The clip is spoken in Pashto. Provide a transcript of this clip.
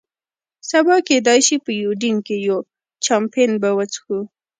سبا کېدای شي په یوډین کې یو، چامپېن به وڅښو.